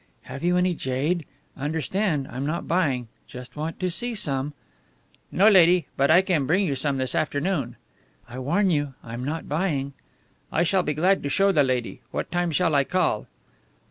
"Have you any jade? Understand, I'm not buying. Just want to see some." "No, lady; but I can bring you some this afternoon." "I warn you, I'm not buying." "I shall be glad to show the lady. What time shall I call?"